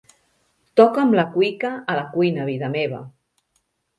Toca'm la cuïca a la cuina, vida meva.